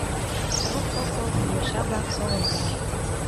Роп-роп-роп йоча-влак совым кырат.